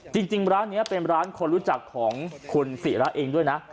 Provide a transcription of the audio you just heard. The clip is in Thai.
จริงร้านนี้เป็นร้านคนรู้จักของคุณศิระเองด้วยนะ